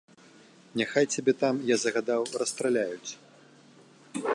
Няхай цябе там, я загадаў, расстраляюць.